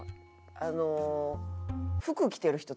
あの。